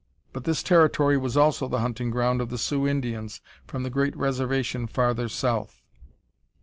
But this territory was also the hunting ground of the Sioux Indians from the great reservation farther south.